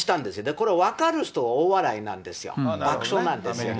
これを分かる人は大笑いなんですよ、爆笑なんですよね。